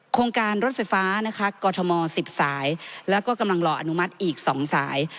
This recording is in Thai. โครงการรถไฟฟ้านะคะกรทม๑๐สายแล้วก็กำลังรออนุมัติอีก๒สาย